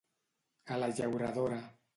A la llauradora.